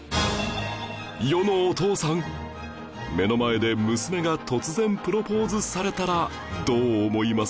世のお父さん目の前で娘が突然プロポーズされたらどう思います？